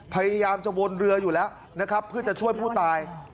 พยายามจะวนเรืออยู่แล้วนะครับเพื่อจะช่วยผู้ตาย